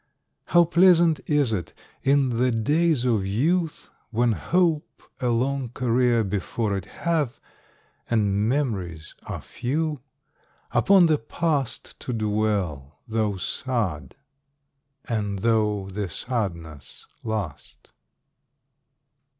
How pleasant is it, in the days of youth, When hope a long career before it hath, And memories are few, upon the past To dwell, though sad, and though the sadness last!